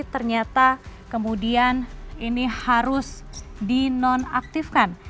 ternyata kemudian ini harus di nonaktifkan